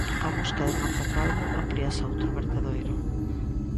A busca de Marta Calvo amplíase a outro vertedoiro.